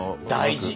大事。